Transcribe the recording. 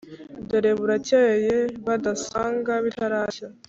dore burakeye badasanga bitarashya.